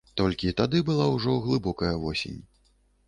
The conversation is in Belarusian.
Толькі тады была ўжо глыбокая восень.